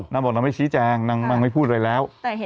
นางไม่เอา